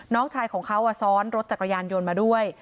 น้องชายของเขาซ้อนรถจักรยานยนต์มาด้วย